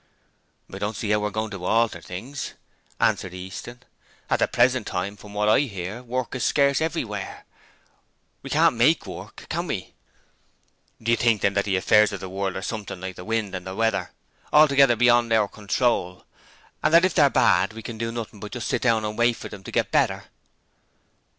'I don't see how we're goin' to alter things,' answered Easton. 'At the present time, from what I hear, work is scarce everywhere. WE can't MAKE work, can we?' 'Do you think, then, that the affairs of the world are something like the wind or the weather altogether beyond our control? And that if they're bad we can do nothing but just sit down and wait for them to get better?'